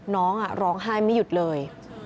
น้องร้องไห้ไม่หยุดเลย